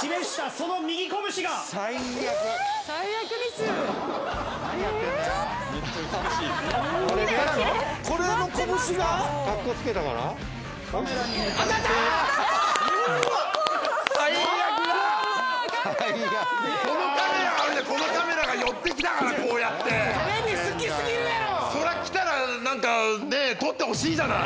そりゃ来たらなんかね撮ってほしいじゃない！